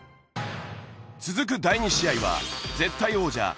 続く第２試合は絶対王者